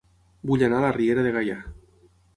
Vull anar a La Riera de Gaià